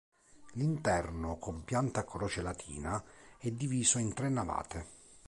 L'interno, con pianta a croce latina, è diviso in tre navate.